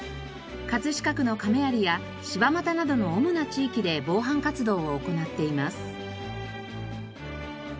飾区の亀有や柴又などの主な地域で防犯活動を行っています。